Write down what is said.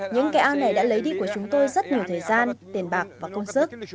những kẻ an này đã lấy đi của chúng tôi rất nhiều thời gian tiền bạc và công sức